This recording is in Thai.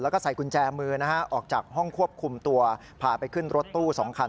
แล้วก็ใส่กุญแจมือนะฮะออกจากห้องควบคุมตัวพาไปขึ้นรถตู้๒คัน